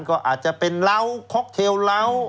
ก็อาจจะเป็นเหล้าค็อกเทลเล้า